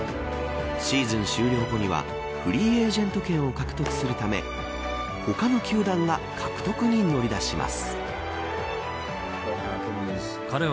シーズン終了後にはフリーエージェント権を獲得するため他の球団が獲得に乗り出します。